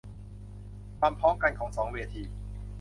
ความพ้องกันของสองเวที